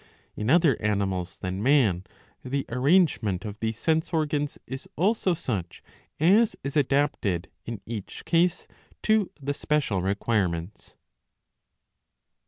^^ In other animals than man the arrangement of these sense organs is also such as is adapted in each case to the special requirements.